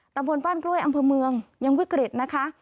ตำบลบ้านกล้วยอำเภอเมืองยังวิกฤตนะคะ